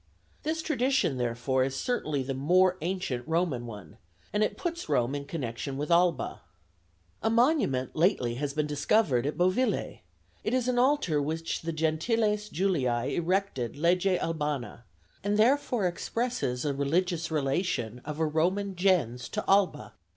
This tradition therefore is certainly the more ancient Roman one; and it puts Rome in connection with Alba. A monument has lately been discovered at Bovillæ: it is an altar which the Gentiles Julii erected lege Albana, and therefore expresses a religious relation of a Roman gens to Alba.